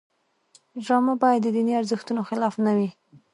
ډرامه باید د دیني ارزښتونو خلاف نه وي